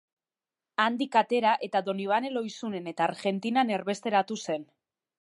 Handik atera eta Donibane Lohizunen eta Argentinan erbesteratu zen.